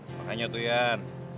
makanya tuh yan